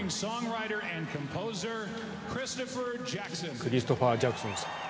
クリストファー・ジャクソンさん。